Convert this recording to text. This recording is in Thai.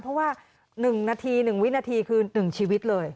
เพราะว่า๑นาที๑วินาทีคือ๑ชีวิตเลย